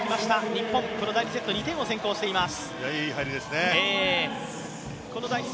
日本、第１セット２点を先行しています。